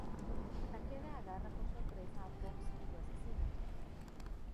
Takeda agarra por sorpresa a Fox y lo asesina.